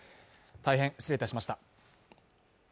大変失礼いたしました。